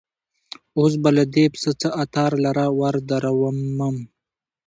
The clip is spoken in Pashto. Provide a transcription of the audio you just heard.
اوس به له دې پسه څه عطار لره وردرومم